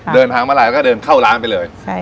เดินทางมาลายเข้าร้านไปเลย